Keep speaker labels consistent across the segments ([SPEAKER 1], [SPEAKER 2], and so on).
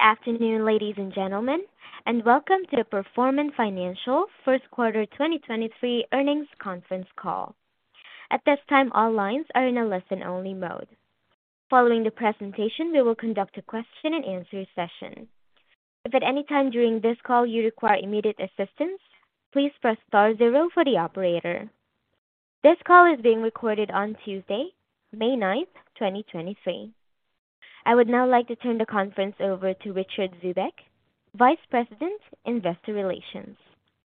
[SPEAKER 1] Good afternoon, ladies and gentlemen, and welcome to the Performant Financial first quarter 2023 earnings conference call. At this time, all lines are in a listen-only mode. Following the presentation, we will conduct a question-and-answer session. If at any time during this call you require immediate assistance, please press star zero for the operator. This call is being recorded on Tuesday, May ninth, 2023. I would now like to turn the conference over to Richard Zubek, Vice President, Investor Relations.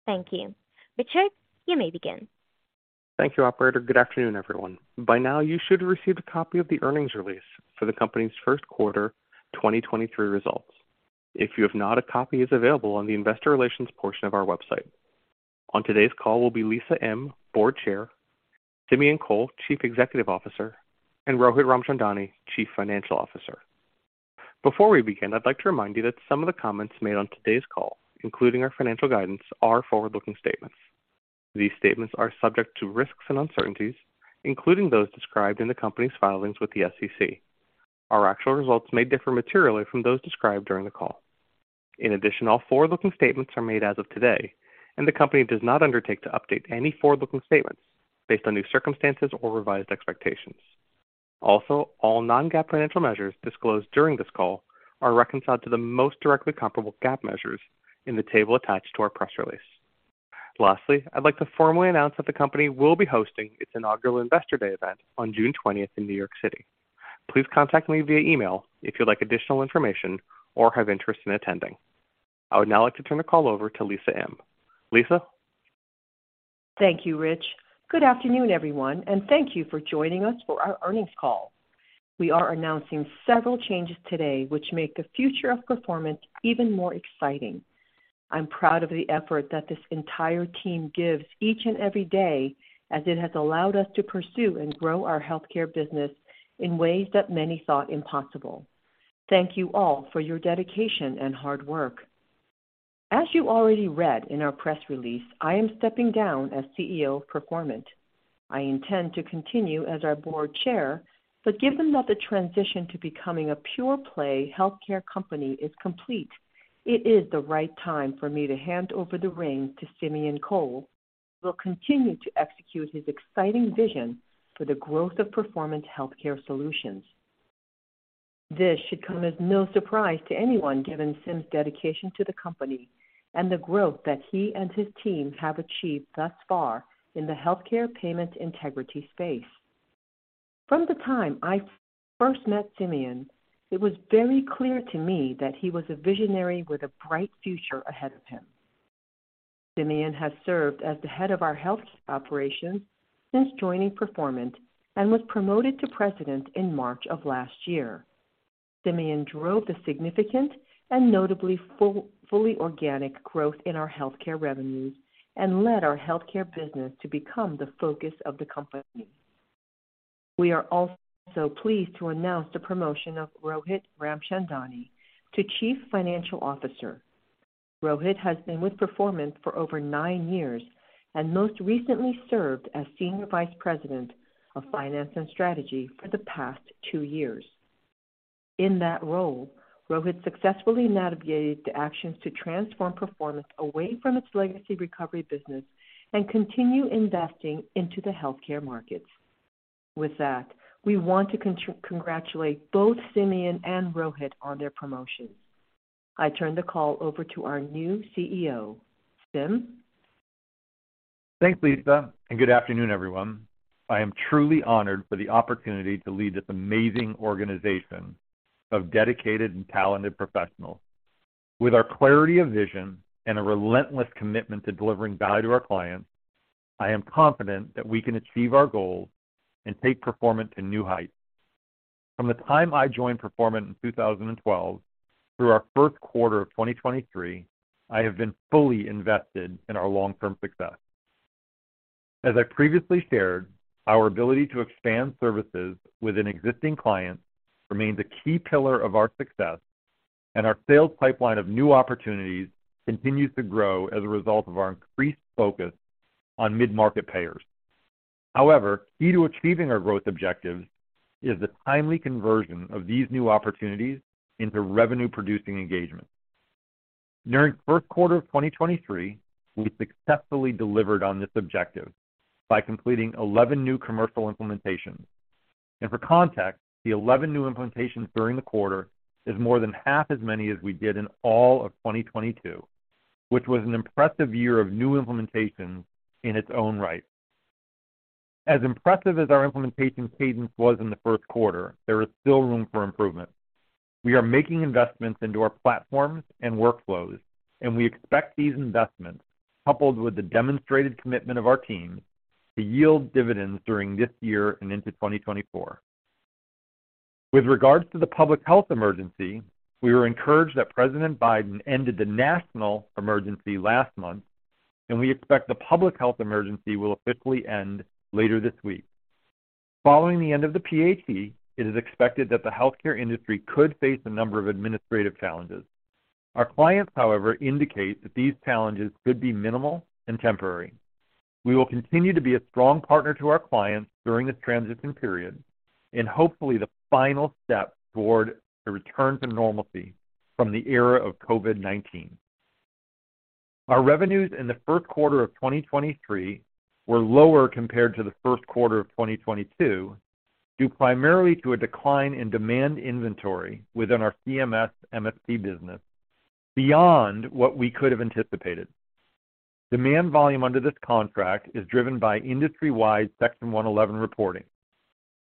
[SPEAKER 1] Thank you. Richard, you may begin.
[SPEAKER 2] Thank you, operator. Good afternoon, everyone. By now, you should have received a copy of the earnings release for the company's first quarter 2023 results. If you have not, a copy is available on the investor relations portion of our website. On today's call will be Lisa Im, Board Chair, Simeon Kohl, Chief Executive Officer, and Rohit Ramchandani, Chief Financial Officer. Before we begin, I'd like to remind you that some of the comments made on today's call, including our financial guidance, are forward-looking statements. These statements are subject to risks and uncertainties, including those described in the company's filings with the SEC. Our actual results may differ materially from those described during the call. In addition, all forward-looking statements are made as of today, the company does not undertake to update any forward-looking statements based on new circumstances or revised expectations. Also, all non-GAAP financial measures disclosed during this call are reconciled to the most directly comparable GAAP measures in the table attached to our press release. Lastly, I'd like to formally announce that the company will be hosting its inaugural Investor Day event on June 20th in New York City. Please contact me via email if you'd like additional information or have interest in attending. I would now like to turn the call over to Lisa Im. Lisa?
[SPEAKER 3] Thank you, Rich. Good afternoon, everyone, and thank you for joining us for our earnings call. We are announcing several changes today which make the future of Performant even more exciting. I'm proud of the effort that this entire team gives each and every day as it has allowed us to pursue and grow our healthcare business in ways that many thought impossible. Thank you all for your dedication and hard work. As you already read in our press release, I am stepping down as CEO of Performant. I intend to continue as our Board Chair, but given that the transition to becoming a pure play healthcare company is complete, it is the right time for me to hand over the reins to Simeon Kohl, who will continue to execute his exciting vision for the growth of Performant Healthcare Solutions. This should come as no surprise to anyone given Sim's dedication to the company and the growth that he and his team have achieved thus far in the Healthcare Payment Integrity space. From the time I first met Simeon, it was very clear to me that he was a visionary with a bright future ahead of him. Simeon has served as the head of our health operations since joining Performant and was promoted to president in March of last year. Simeon drove the significant and notably fully organic growth in our healthcare revenues and led our healthcare business to become the focus of the company. We are also pleased to announce the promotion of Rohit Ramchandani to Chief Financial Officer. Rohit has been with Performant for over nine years and most recently served as Senior Vice President of Finance and Strategy for the past two years. In that role, Rohit successfully navigated the actions to transform Performant away from its legacy recovery business and continue investing into the healthcare markets. With that, we want to congratulate both Simeon and Rohit on their promotions. I turn the call over to our new CEO. Sim?
[SPEAKER 4] Thanks, Lisa, and good afternoon, everyone. I am truly honored for the opportunity to lead this amazing organization of dedicated and talented professionals. With our clarity of vision and a relentless commitment to delivering value to our clients, I am confident that we can achieve our goals and take Performant to new heights. From the time I joined Performant in 2012 through our first quarter of 2023, I have been fully invested in our long-term success. As I previously shared, our ability to expand services with an existing client remains a key pillar of our success, and our sales pipeline of new opportunities continues to grow as a result of our increased focus on mid-market payers. However, key to achieving our growth objectives is the timely conversion of these new opportunities into revenue-producing engagements. During the first quarter of 2023, we successfully delivered on this objective by completing 11 new commercial implementations. For context, the 11 new implementations during the quarter is more than half as many as we did in all of 2022, which was an impressive year of new implementations in its own right. As impressive as our implementation cadence was in the first quarter, there is still room for improvement. We are making investments into our platforms and workflows, we expect these investments, coupled with the demonstrated commitment of our teams, to yield dividends during this year and into 2024. With regards to the Public Health Emergency, we were encouraged that President Biden ended the national emergency last month, we expect the Public Health Emergency will officially end later this week. Following the end of the PHE, it is expected that the healthcare industry could face a number of administrative challenges. Our clients, however, indicate that these challenges could be minimal and temporary. We will continue to be a strong partner to our clients during this transition period and hopefully the final step toward the return to normalcy from the era of COVID-19. Our revenues in the first quarter of 2023 were lower compared to the first quarter of 2022, due primarily to a decline in demand inventory within our CMS MSP business beyond what we could have anticipated. Demand volume under this contract is driven by industry-wide Section 111 reporting.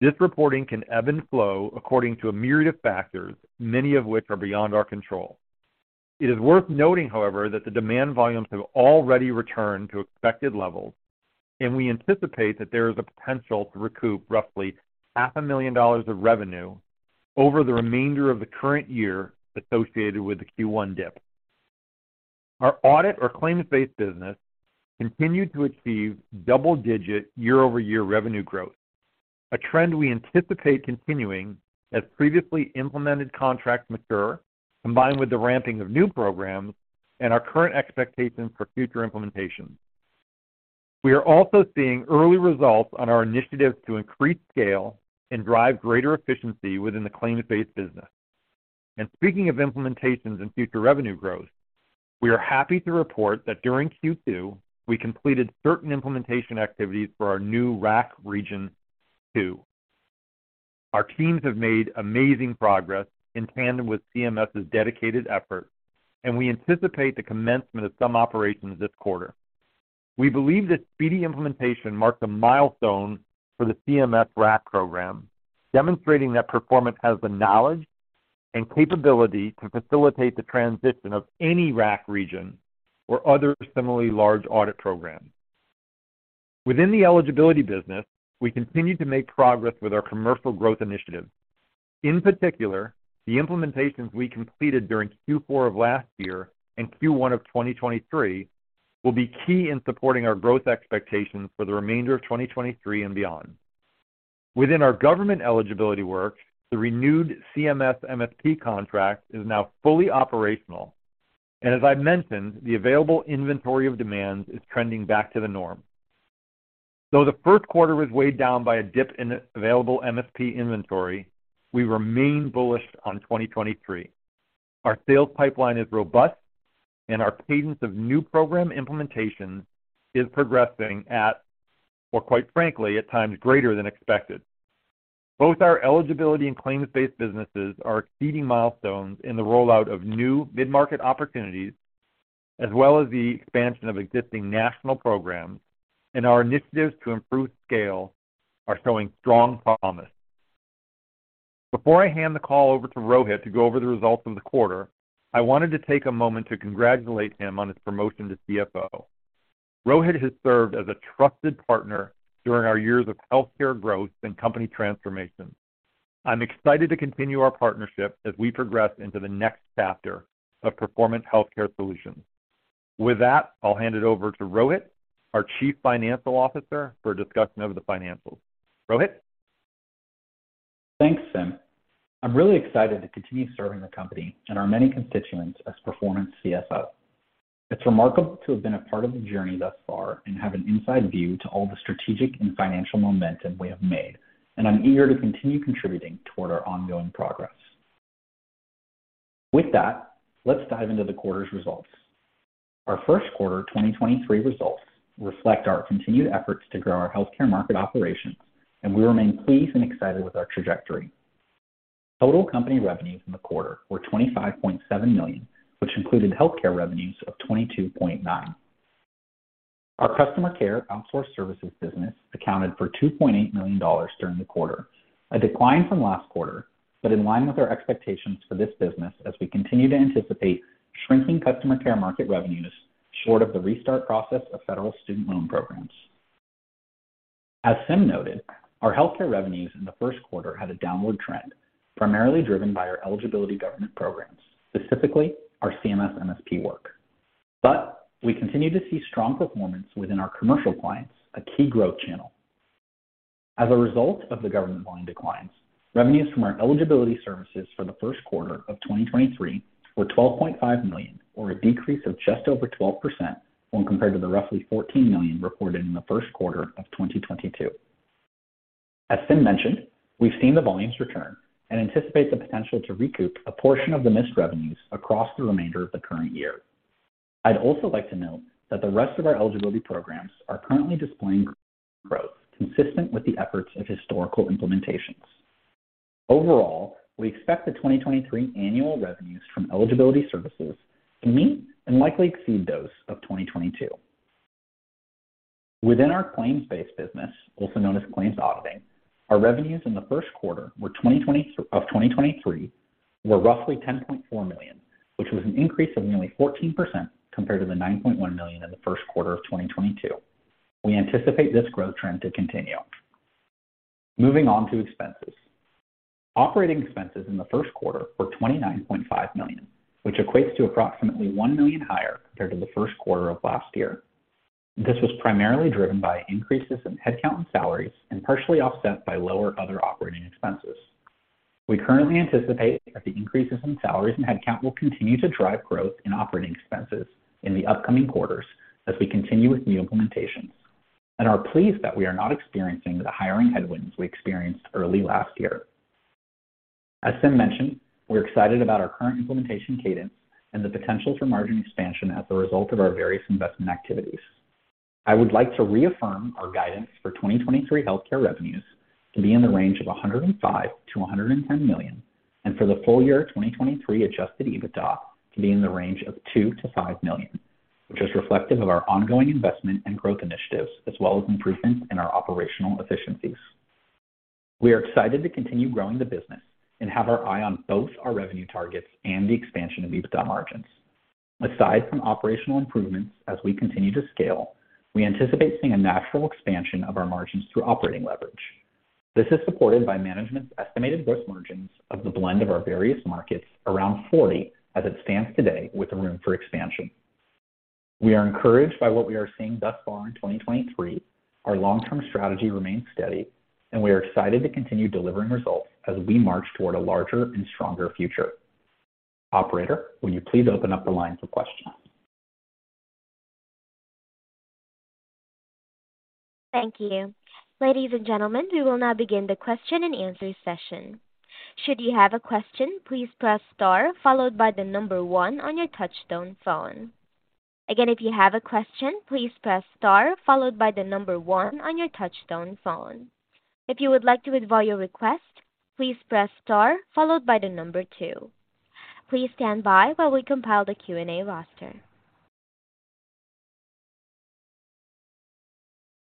[SPEAKER 4] This reporting can ebb and flow according to a myriad of factors, many of which are beyond our control. It is worth noting, however, that the demand volumes have already returned to expected levels. We anticipate that there is a potential to recoup roughly half a million dollars of revenue over the remainder of the current year associated with the Q1 dip. Our audit or claims-based business continued to achieve double-digit year-over-year revenue growth, a trend we anticipate continuing as previously implemented contracts mature, combined with the ramping of new programs and our current expectations for future implementations. We are also seeing early results on our initiatives to increase scale and drive greater efficiency within the claims-based business. Speaking of implementations and future revenue growth, we are happy to report that during Q2, we completed certain implementation activities for our new RAC Region 2. Our teams have made amazing progress in tandem with CMS's dedicated effort. We anticipate the commencement of some operations this quarter. We believe this speedy implementation marks a milestone for the CMS RAC program, demonstrating that Performant has the knowledge and capability to facilitate the transition of any RAC region or other similarly large audit program. Within the eligibility business, we continue to make progress with our commercial growth initiatives. In particular, the implementations we completed during Q4 of last year and Q1 of 2023 will be key in supporting our growth expectations for the remainder of 2023 and beyond. Within our government eligibility work, the renewed CMS MSP contract is now fully operational, and as I mentioned, the available inventory of demands is trending back to the norm. The first quarter was weighed down by a dip in available MSP inventory, we remain bullish on 2023. Our sales pipeline is robust and our cadence of new program implementation is progressing at, or quite frankly, at times greater than expected. Both our eligibility and claims-based businesses are exceeding milestones in the rollout of new mid-market opportunities, as well as the expansion of existing national programs, and our initiatives to improve scale are showing strong promise. Before I hand the call over to Rohit to go over the results of the quarter, I wanted to take a moment to congratulate him on his promotion to CFO. Rohit has served as a trusted partner during our years of healthcare growth and company transformation. I'm excited to continue our partnership as we progress into the next chapter of Performant Healthcare Solutions. With that, I'll hand it over to Rohit, our Chief Financial Officer, for a discussion of the financials. Rohit?
[SPEAKER 5] Thanks, Sim. I'm really excited to continue serving the company and our many constituents as Performant CFO. It's remarkable to have been a part of the journey thus far and have an inside view to all the strategic and financial momentum we have made. I'm eager to continue contributing toward our ongoing progress. With that, let's dive into the quarter's results. Our first quarter 2023 results reflect our continued efforts to grow our healthcare market operations. We remain pleased and excited with our trajectory. Total company revenues in the quarter were $25.7 million, which included healthcare revenues of $22.9 million. Our customer care outsource services business accounted for $2.8 million during the quarter, a decline from last quarter, in line with our expectations for this business as we continue to anticipate shrinking customer care market revenues short of the restart process of federal student loan programs. As Sim noted, our healthcare revenues in the first quarter had a downward trend, primarily driven by our eligibility government programs, specifically our CMS MSP work. We continue to see strong performance within our commercial clients, a key growth channel. As a result of the government volume declines, revenues from our eligibility services for the first quarter of 2023 were $12.5 million, or a decrease of just over 12% when compared to the roughly $14 million reported in the first quarter of 2022. As Sim mentioned, we've seen the volumes return and anticipate the potential to recoup a portion of the missed revenues across the remainder of the current year. I'd also like to note that the rest of our eligibility programs are currently displaying growth consistent with the efforts of historical implementations. Overall, we expect the 2023 annual revenues from eligibility services to meet and likely exceed those of 2022. Within our claims-based business, also known as claims auditing, our revenues in the first quarter of 2023 were roughly $10.4 million, which was an increase of nearly 14% compared to the $9.1 million in the first quarter of 2022. We anticipate this growth trend to continue. Moving on to expenses. Operating expenses in the first quarter were $29.5 million, which equates to approximately $1 million higher compared to the first quarter of last year. This was primarily driven by increases in headcount and salaries, and partially offset by lower other operating expenses. We currently anticipate that the increases in salaries and headcount will continue to drive growth in operating expenses in the upcoming quarters as we continue with new implementations and are pleased that we are not experiencing the hiring headwinds we experienced early last year. As Sim mentioned, we're excited about our current implementation cadence and the potential for margin expansion as a result of our various investment activities. I would like to reaffirm our guidance for 2023 healthcare revenues to be in the range of $105 million-$110 million, and for the full year 2023 adjusted EBITDA to be in the range of $2 million-$5 million, which is reflective of our ongoing investment and growth initiatives as well as improvements in our operational efficiencies. We are excited to continue growing the business and have our eye on both our revenue targets and the expansion of EBITDA margins. Aside from operational improvements, as we continue to scale, we anticipate seeing a natural expansion of our margins through operating leverage. This is supported by management's estimated gross margins of the blend of our various markets around 40% as it stands today with room for expansion. We are encouraged by what we are seeing thus far in 2023. Our long-term strategy remains steady. We are excited to continue delivering results as we march toward a larger and stronger future. Operator, will you please open up the line for questions?
[SPEAKER 1] Thank you. Ladies and gentlemen, we will now begin the question and answer session. Should you have a question, please press star one on your touchtone phone. Again, if you have a question, please press star 1 on your touchtone phone. If you would like to withdraw your request, please press star two. Please stand by while we compile the Q&A roster.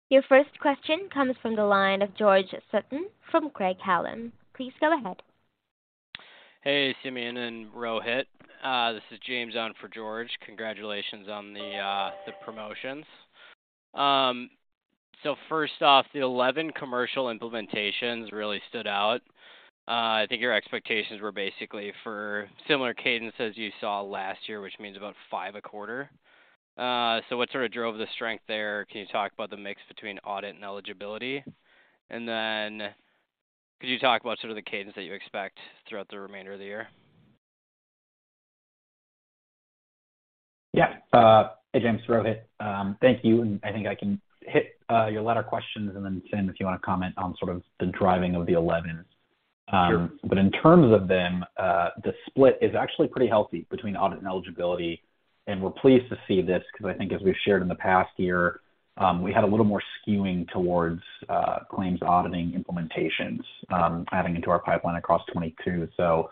[SPEAKER 1] Your first question comes from the line of George Sutton from Craig-Hallum. Please go ahead.
[SPEAKER 6] Hey, Simeon and Rohit. This is James on for George. Congratulations on the promotions. First off, the 11 commercial implementations really stood out. I think your expectations were basically for similar cadences you saw last year, which means about 5 a quarter. What sort of drove the strength there? Can you talk about the mix between audit and eligibility? Could you talk about sort of the cadence that you expect throughout the remainder of the year?
[SPEAKER 5] Yeah. hey, James. Rohit. thank you. I think I can hit your latter questions and then Tim, if you wanna comment on sort of the driving of the 11.
[SPEAKER 4] Sure.
[SPEAKER 5] In terms of them, the split is actually pretty healthy between audit and eligibility, and we're pleased to see this 'cause I think as we've shared in the past year, we had a little more skewing towards claims auditing implementations, adding into our pipeline across 22.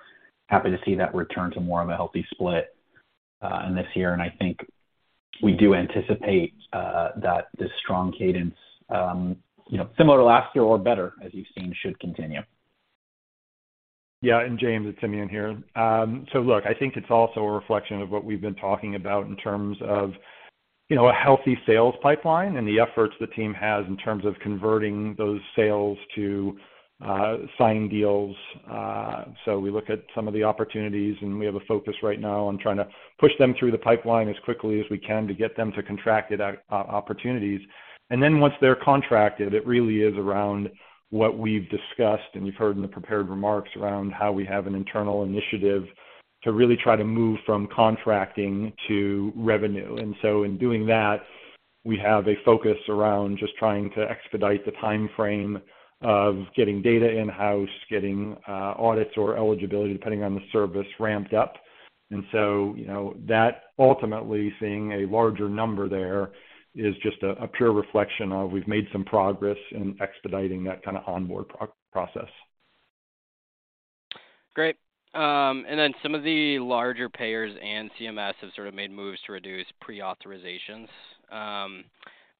[SPEAKER 5] Happy to see that return to more of a healthy split in this year. I think we do anticipate that the strong cadence, you know, similar to last year or better, as you've seen, should continue.
[SPEAKER 4] Yeah. James, it's Simeon here. Look, I think it's also a reflection of what we've been talking about in terms of, you know, a healthy sales pipeline and the efforts the team has in terms of converting those sales to signed deals. We look at some of the opportunities, and we have a focus right now on trying to push them through the pipeline as quickly as we can to get them to contracted opportunities. Once they're contracted, it really is around what we've discussed and you've heard in the prepared remarks around how we have an internal initiative to really try to move from contracting to revenue. In doing that, we have a focus around just trying to expedite the timeframe of getting data in-house, getting audits or eligibility, depending on the service ramped up. you know, that ultimately seeing a larger number there is just a pure reflection of we've made some progress in expediting that kinda onboard process.
[SPEAKER 6] Great. Then some of the larger payers and CMS have sort of made moves to reduce pre-authorizations.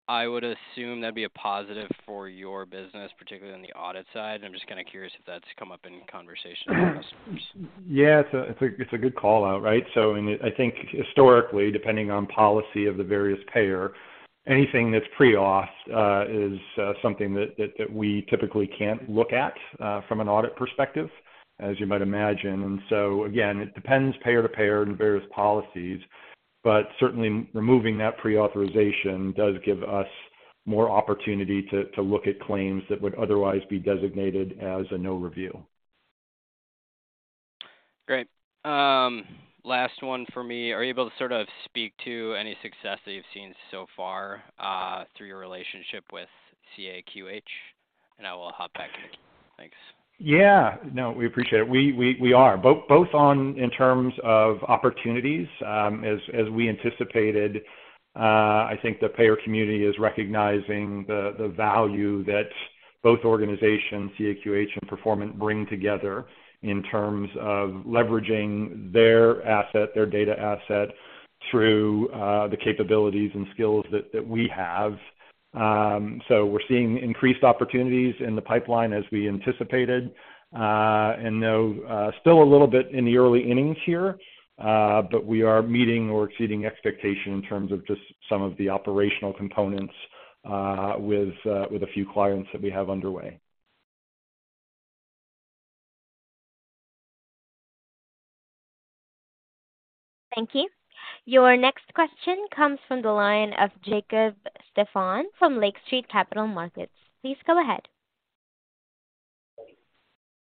[SPEAKER 6] I would assume that'd be a positive for your business, particularly on the audit side, and I'm just kind of curious if that's come up in conversation with customers.
[SPEAKER 4] It's a good call-out, right? I think historically, depending on policy of the various payer, anything that's pre-auth is something that we typically can't look at from an audit perspective as you might imagine. Again, it depends payer to payer and various policies, but certainly removing that pre-authorization does give us more opportunity to look at claims that would otherwise be designated as a no review.
[SPEAKER 6] Great. Last one for me. Are you able to sort of speak to any success that you've seen so far, through your relationship with CAQH? I will hop back in queue. Thanks.
[SPEAKER 4] Yeah. No, we appreciate it. We are. Both on in terms of opportunities, as we anticipated, I think the payer community is recognizing the value that both organizations, CAQH and Performant bring together in terms of leveraging their asset, their data asset through the capabilities and skills that we have. We're seeing increased opportunities in the pipeline as we anticipated. Though still a little bit in the early innings here, we are meeting or exceeding expectation in terms of just some of the operational components with a few clients that we have underway.
[SPEAKER 1] Thank you. Your next question comes from the line of Jacob Stephan from Lake Street Capital Markets. Please go ahead.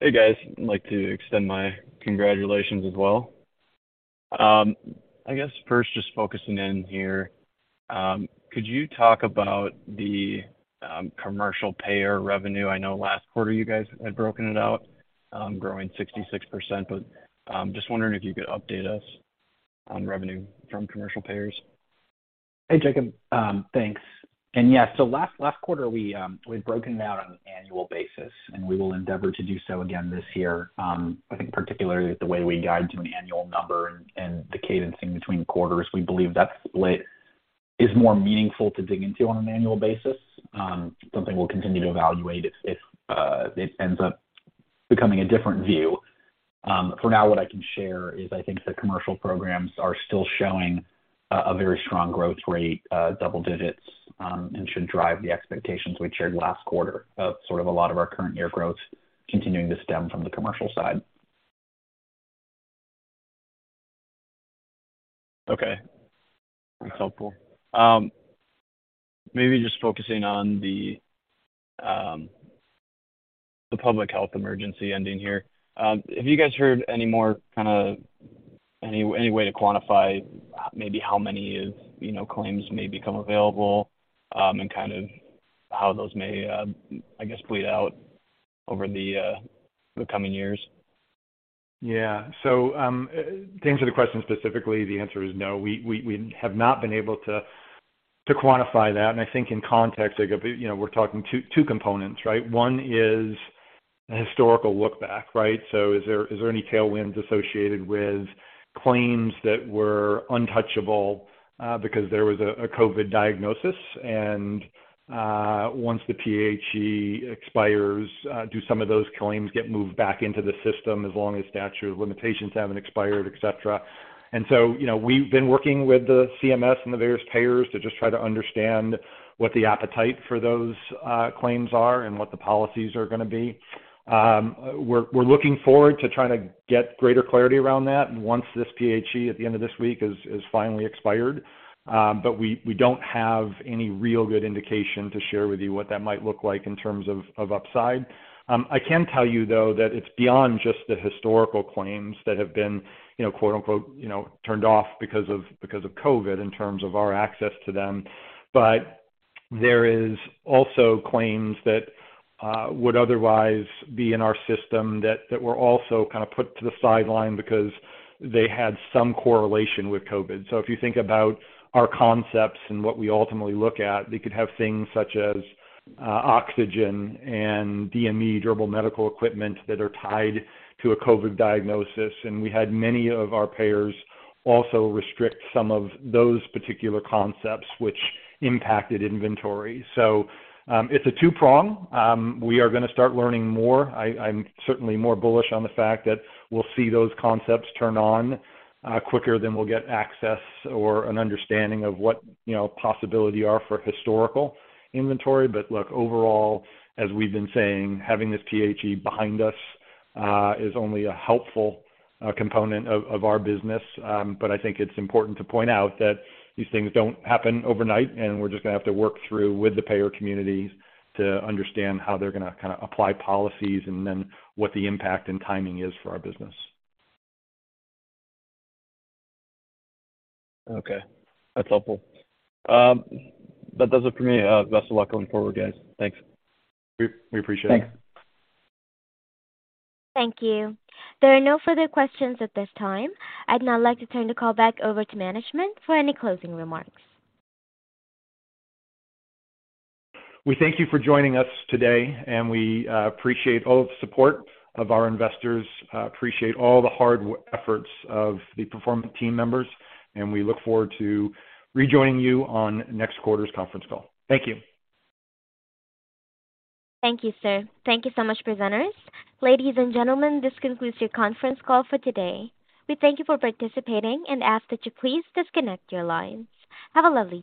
[SPEAKER 7] Hey, guys. I'd like to extend my congratulations as well. I guess first just focusing in here, could you talk about the commercial payer revenue? I know last quarter you guys had broken it out, growing 66%, but just wondering if you could update us on revenue from commercial payers.
[SPEAKER 5] Hey, Jacob. Thanks. Yeah, so last quarter, we'd broken it out on an annual basis, and we will endeavor to do so again this year. I think particularly the way we guide to an annual number and the cadencing between quarters, we believe that split is more meaningful to dig into on an annual basis. Something we'll continue to evaluate if it ends up becoming a different view. For now what I can share is I think the commercial programs are still showing a very strong growth rate, double digits, and should drive the expectations we shared last quarter of sort of a lot of our current year growth continuing to stem from the commercial side.
[SPEAKER 7] Okay. That's helpful. Maybe just focusing on the Public Health Emergency ending here. Have you guys heard any more Any way to quantify maybe how many of, you know, claims may become available, and kind of how those may, I guess bleed out over the coming years?
[SPEAKER 4] To answer the question specifically, the answer is no. We have not been able to quantify that. I think in context, Jacob, you know, we're talking two components, right? One is a historical look back, right? Is there any tailwinds associated with claims that were untouchable because there was a COVID diagnosis and once the PHE expires, do some of those claims get moved back into the system as long as statute of limitations haven't expired, et cetera. You know, we've been working with the CMS and the various payers to just try to understand what the appetite for those claims are and what the policies are gonna be. We're looking forward to trying to get greater clarity around that once this PHE at the end of this week has finally expired. We don't have any real good indication to share with you what that might look like in terms of upside. I can tell you, though, that it's beyond just the historical claims that have been, you know, quote-unquote, you know, turned off because of COVID in terms of our access to them. There is also claims that would otherwise be in our system that were also kind of put to the sideline because they had some correlation with COVID. If you think about our concepts and what we ultimately look at, they could have things such as oxygen and DME, durable medical equipment, that are tied to a COVID diagnosis. We had many of our payers also restrict some of those particular concepts which impacted inventory. It's a two-prong. We are gonna start learning more. I'm certainly more bullish on the fact that we'll see those concepts turned on quicker than we'll get access or an understanding of what, you know, possibility are for historical inventory. Look, overall, as we've been saying, having this PHE behind us is only a helpful component of our business. I think it's important to point out that these things don't happen overnight, and we're just gonna have to work through with the payer communities to understand how they're gonna kinda apply policies and then what the impact and timing is for our business.
[SPEAKER 7] Okay. That's helpful. That does it for me. Best of luck going forward, guys. Thanks.
[SPEAKER 4] We appreciate it.
[SPEAKER 5] Thanks.
[SPEAKER 1] Thank you. There are no further questions at this time. I'd now like to turn the call back over to management for any closing remarks.
[SPEAKER 4] We thank you for joining us today, and we appreciate all the support of our investors, appreciate all the hard efforts of the Performant team members, and we look forward to rejoining you on next quarter's conference call. Thank you.
[SPEAKER 1] Thank you, sir. Thank you so much, presenters. Ladies and gentlemen, this concludes your conference call for today. We thank you for participating and ask that you please disconnect your lines. Have a lovely day.